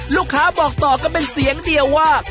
ลูกค้าบอกต่อกันเป็นเสียงเดียวว่า